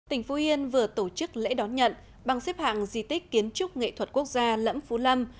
tỉnh phú yên vừa tổ chức lễ đón nhận bằng xếp hạng di tích kiến trúc nghệ thuật quốc gia lẫm phú lâm